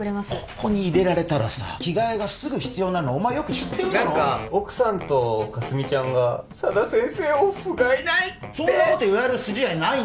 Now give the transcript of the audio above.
ここに入れられたらさ着替えがすぐ必要なのよく知ってるだろう何か奥さんとかすみちゃんが佐田先生をふがいないってそんなこと言われる筋合いないよ